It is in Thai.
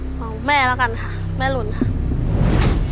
ของแม่แล้วกันค่ะแม่หลุนค่ะ